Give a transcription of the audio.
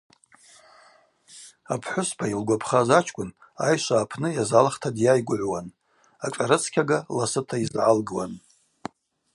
Апхӏвыспа йылгвапхаз ачкӏвын айшва апны йазалхта дйайгвыгӏвуан, ашӏарыцкьага ласыта йызгӏалгуан.